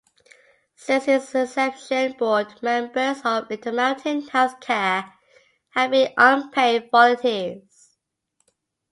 Since its inception, board members of Intermountain Healthcare have been unpaid volunteers.